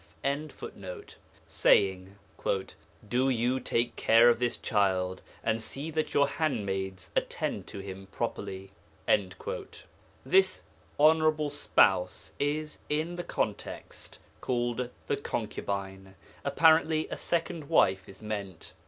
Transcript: ] saying, "Do you take care of this child, and see that your handmaids attend to him properly."' This 'honourable spouse' is, in the context, called 'the concubine' apparently a second wife is meant.